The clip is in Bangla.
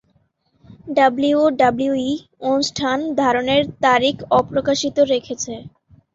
ডাব্লিউডাব্লিউই অনুষ্ঠান ধারণের তারিখ অপ্রকাশিত রেখেছে।